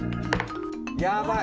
やばい！